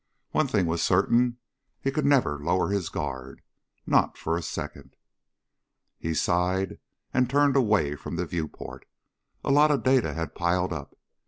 One thing was certain. He could never lower his guard. Not for a second. He sighed and turned away from the viewport. A lot of data had piled up.